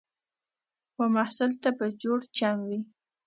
و محصل ته به جوړ چم وي